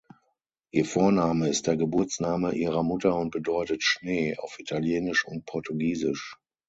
Ihr Vorname ist der Geburtsname ihrer Mutter und bedeutet "Schnee" auf Italienisch und portugiesisch.